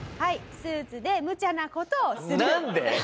スーツでむちゃな事をする。